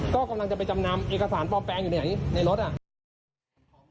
ก็กำลังจะไปจำนำเอกสารปลอมแปลงอยู่ในรถอ่ะ